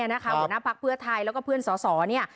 หัวหน้าพักเพื่อไทยแล้วก็เพื่อนสอสอเนี่ย